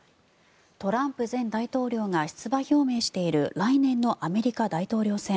トランプ前大統領が出馬表明している来年のアメリカ大統領選。